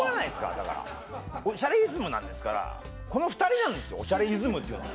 だから『おしゃれイズム』なんですからこの２人なんですよ『おしゃれイズム』っていうのは。